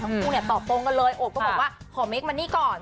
คู่เนี่ยตอบตรงกันเลยโอบก็บอกว่าขอเมคมันนี่ก่อน